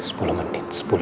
aku gak peduli